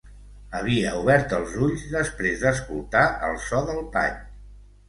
Havia obert els ulls després d'escoltar el so del pany.